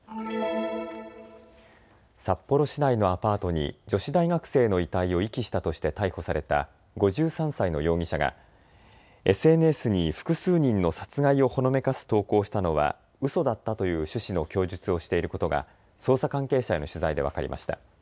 札幌市内のアパートに女子大学生の遺体を遺棄したとして逮捕された５３歳の容疑者が、ＳＮＳに複数人の殺害をほのめかす投稿をしたのはうそだったという趣旨の供述をしていることが捜査関係者への取材で分かりました。